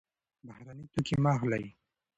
بهرني توکي مه اخلئ.